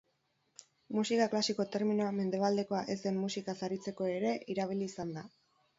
Musika klasiko terminoa mendebaldekoa ez den musikaz aritzeko ere erabili izan da.